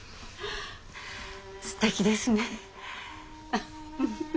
すてきですね。